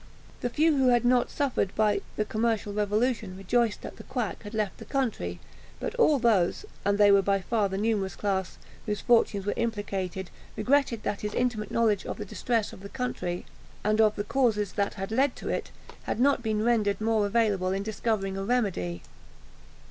The few who had not suffered by the commercial revolution rejoiced that the quack had left the country; but all those (and they were by far the most numerous class) whose fortunes were implicated regretted that his intimate knowledge of the distress of the country, and of the causes that had led to it, had not been rendered more available in discovering a remedy.